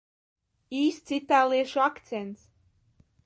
Īsts itāliešu akcents.